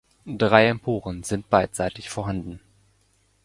Drei Emporen sind beidseitig vorhanden.